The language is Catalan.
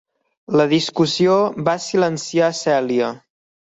La discussió va silenciar Celia.